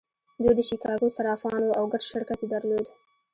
دوی د شیکاګو صرافان وو او ګډ شرکت یې درلود